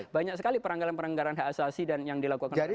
banyak sekali peranggalan peranggaran hak asasi dan yang dilakukan oleh pemerintah